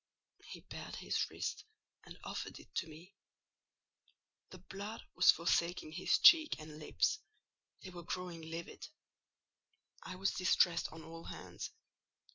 He bared his wrist, and offered it to me: the blood was forsaking his cheek and lips, they were growing livid; I was distressed on all hands.